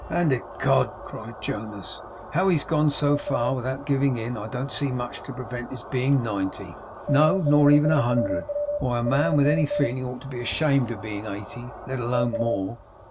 'And ecod,' cried Jonas, 'now he's gone so far without giving in, I don't see much to prevent his being ninety; no, nor even a hundred. Why, a man with any feeling ought to be ashamed of being eighty, let alone more.